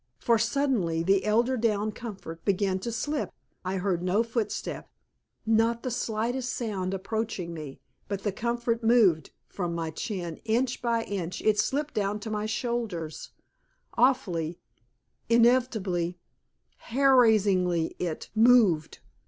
For suddenly the eiderdown comfort began to slip. I heard no footstep, not the slightest sound approaching me, but the comfort moved; from my chin, inch by inch, it slipped to my shoulders; awfully, inevitably, hair raisingly it moved.